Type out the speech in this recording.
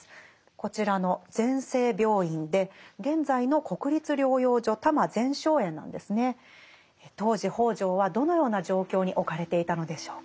こちらの当時北條はどのような状況に置かれていたのでしょうか。